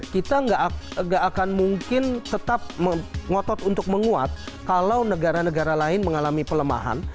kita nggak akan mungkin tetap ngotot untuk menguat kalau negara negara lain mengalami pelemahan